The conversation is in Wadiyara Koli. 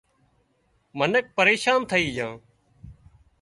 منک پريشان ٿئي جھان